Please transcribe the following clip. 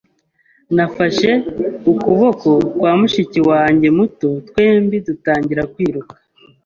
Nafashe ukuboko kwa mushiki wanjye muto, twembi dutangira kwiruka.